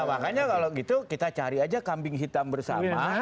makanya kalau gitu kita cari aja kambing hitam bersama